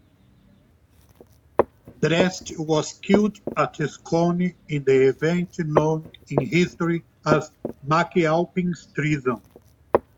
Drest was killed at Scone in the event known in history as MacAlpin's Treason.